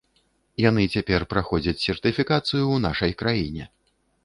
Яны цяпер праходзяць сертыфікацыю ў нашай краіне.